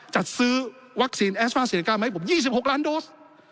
จัดซื้อวัคซีนแอสตราเซเนก้ามาให้ผม๒๖ล้านโดส